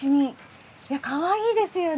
かわいいですよね。